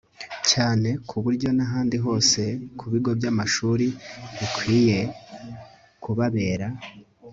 cyane, ku buryo n'ahandi hose ku bigo by'amashuri bikwiye kubabera